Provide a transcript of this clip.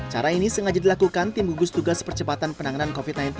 cara ini sengaja dilakukan tim gugus tugas percepatan penanganan covid sembilan belas